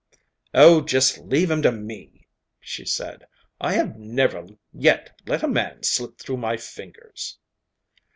'Oh, just leave him to me!' she said. 'I have never yet let a man slip through my fingers.